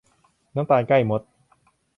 น้ำตาลใกล้มด